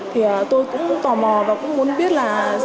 thì tôi cũng tò mò và cũng muốn biết là